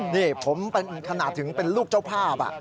นี่ผมเป็นขนาดถึงเป็นลูกเจ้าภาพ